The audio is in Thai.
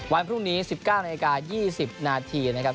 วันพรุ่งนี้๑๙นาฬิกา๒๐นาทีนะครับ